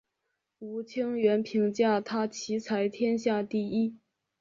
吴清源评价他棋才天下第一。